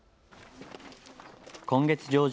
今月上旬。